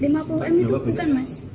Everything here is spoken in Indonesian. lima puluh an itu bukan mas